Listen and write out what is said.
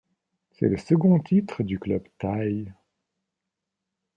C'est le second titre du club thaï.